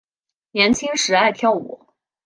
年轻时爱跳舞。